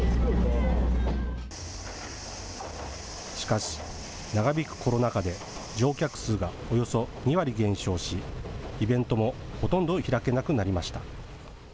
しかし長引くコロナ禍で乗客数がおよそ２割減少し、イベントもほとんど開けなくなりました。